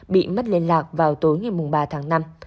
bị mất liên lạc vào tối ngày ba tháng năm